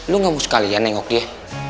lu gak mau sekalian nengok dia